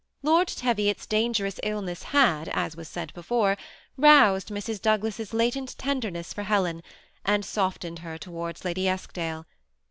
Lord Teviot's dangerous illness had, as was said before, roused Mrs. Douglas's latent tenderness for Helen, and softened her towards Lady Eskdale.